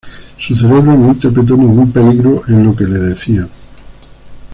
Su cerebro no interpretó ningún peligro en lo que le decían.